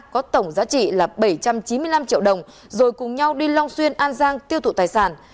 có tổng giá trị là bảy trăm chín mươi năm triệu đồng rồi cùng nhau đi long xuyên an giang tiêu thụ tài sản